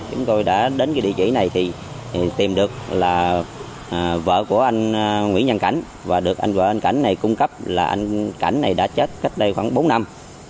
chúng tôi đã đến cái địa chỉ này thì tìm được là vợ của anh nguyễn nhân cảnh và được anh vợ anh cảnh này cung cấp là anh cảnh này đã chết cách đây khoảng bốn năm